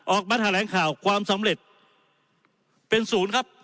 ออกมาแถลงข่าวความสำเร็จเป็นศูนย์ครับ